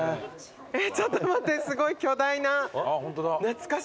ちょっと待ってすごい。